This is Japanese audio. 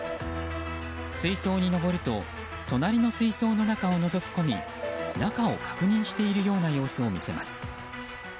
水槽に上ると隣の水槽の中をのぞき込み中を確認しているような様子を見せます。